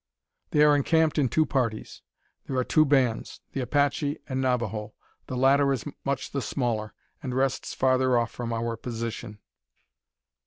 They are encamped in two parties. There are two bands, the Apache and Navajo. The latter is much the smaller, and rests farther off from our position.